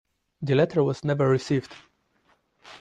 The letter was never received.